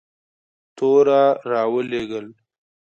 توره را ولېږل.